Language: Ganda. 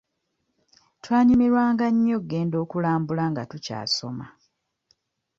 Twanyumirwanga nnyo okugenda okulambula nga tukyasoma